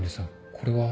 これは。